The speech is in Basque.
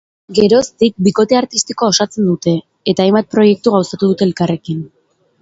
Geroztik, bikote artistikoa osatzen dute, eta hainbat proiektu gauzatu dute elkarrekin.